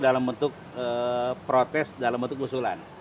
dalam bentuk protes dalam bentuk usulan